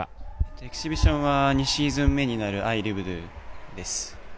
エキシビションは２シーズン目になる「ＩＬｉｖｅｄ」です。